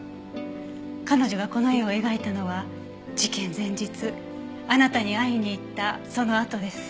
彼女がこの絵を描いたのは事件前日あなたに会いに行ったそのあとです。